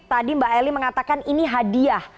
tadi mbak eli mengatakan ini hadiah